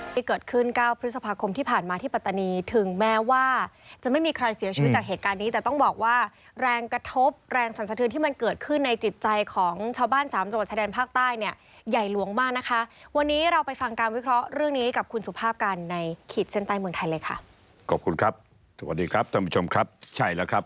ที่เกิดขึ้น๙พฤษภาคมที่ผ่านมาที่ปัตตานีถึงแม้ว่าจะไม่มีใครเสียชีวิตจากเหตุการณ์นี้แต่ต้องบอกว่าแรงกระทบแรงสันสะทืนที่มันเกิดขึ้นในจิตใจของชาวบ้านสามจังหวัดชะแดนภาคใต้เนี่ยใหญ่หลวงมากนะคะวันนี้เราไปฟังการวิเคราะห์เรื่องนี้กับคุณสุภาพการณ์ในขีดเส้นใต้เมืองไทยเลยค